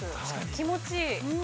気持ちいい。